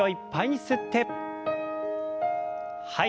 はい。